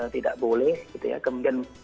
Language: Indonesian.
tidak boleh kemudian